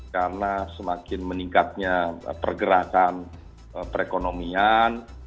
karena semakin meningkatnya pergerakan perekonomian